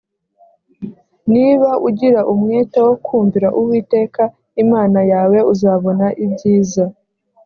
niba ugira umwete wo kumvira uwiteka imana yawe uzabona ibyiza